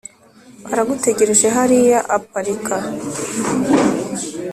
aragutegereje hariya aparika